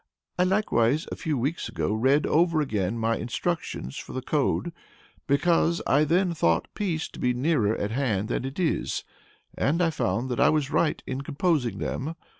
I likewise, a few weeks ago, read over again my instructions for the code, because I then thought peace to be nearer at hand than it is, and I found that I was right in composing them.